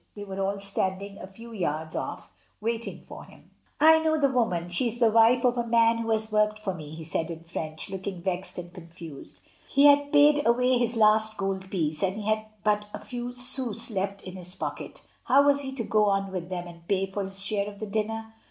They were all standing a few yards off waiting for him. 88 MRS. DYMOND. "I know the woman, she is the wife of a man who has worked for me," he said in French, looking vexed and confused. He had paid away his last gold piece, and he had but a few sous left in his pocket. How was he to go on with them and pay for his share of the dinner?